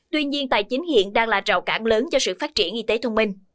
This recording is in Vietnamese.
tuy nhiên tài chính hiện đang là trào cản lớn cho sự phát triển y tế thông minh